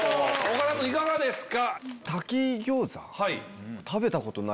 岡田君いかがですか？